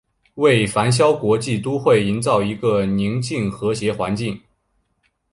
为繁嚣国际都会营造一个宁静和谐环境。